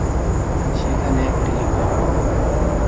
সেখানে এক টেলিগ্রাম।